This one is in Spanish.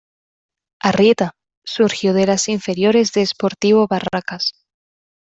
Arrieta, surgió de las inferiores de Sportivo Barracas.